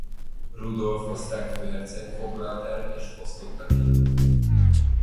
Rudolf osztrák főherceg foglalt el és fosztotta ki.